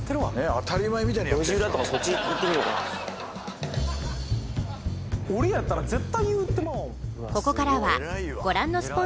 当たり前みたいに路地裏とかそっち行ってみようかな俺やったら絶対言うてまうわ